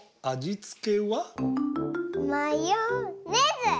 マヨネーズ！